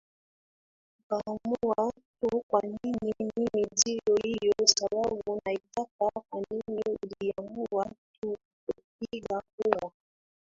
ukaamua tu kwanini mimi ndio hiyo sababu naitaka kwa nini uliamua tu kutopiga kura